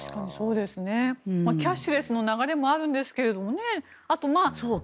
キャッシュレスの流れもあるんですけどね。